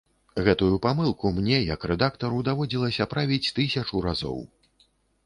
Гэтую памылку мне як рэдактару даводзілася правіць тысячу разоў.